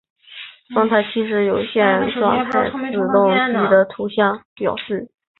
状态器是有限状态自动机的图形表示。